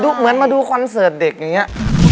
เหมือนมาดูคอนเสิร์ตเด็กอย่างนี้